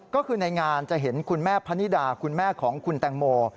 ก็คือในงานจะเห็นคุณแม่พนิดาคุณแม่ของคุณแตงโม